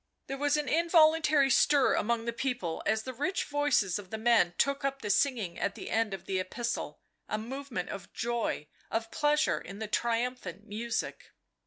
There was an involuntary stir among the people as the rich voices of the men took up the singing at the end of the epistle, a movement of joy, of pleasure in the triumphant music.